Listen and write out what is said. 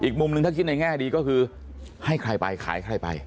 ต่อไปเหรอคือให้ใครไปขายใครไป